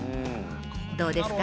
どうですか？